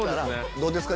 どうですか？